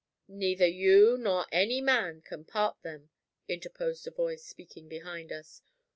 "Neither you nor any man can part them," interposed a voice, speaking behind us.